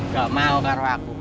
gak mau karo aku